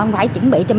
phải chuẩn bị cho mình